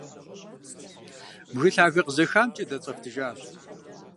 Бгы лъагэ къызэхамкӀэ дэцӀэфтыжащ.